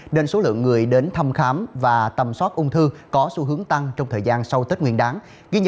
nên số lượng người đến thăm khám và tầm soát ung thư có xu hướng tăng trong thời gian sau tết nguyên đáng ghi